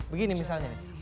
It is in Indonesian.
begini misalnya nih